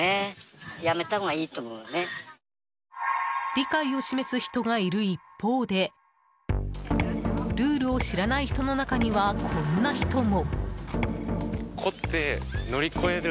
理解を示す人がいる一方でルールを知らない人の中にはこんな人も。